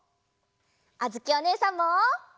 あづきおねえさんも。